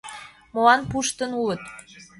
Молан пуштын улыт?